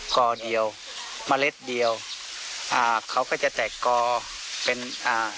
กอเดียวเมล็ดเดียวอ่าเขาก็จะแตกกอเป็นอ่า